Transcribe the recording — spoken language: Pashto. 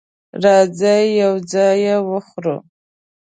راځئ یو ځای یی وخورو